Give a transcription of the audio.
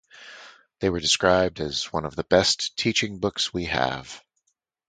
They were described as "one of the best teaching books we have".